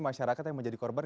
masyarakat yang menjadi korban